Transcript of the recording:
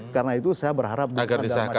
karena itu saya berharap di dalam masyarakat